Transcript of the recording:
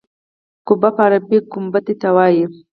قبه په عربي کې ګنبدې ته وایي.